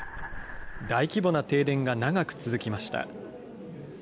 大規模な停電が長く続きました。